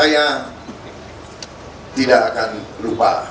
saya tidak akan lupa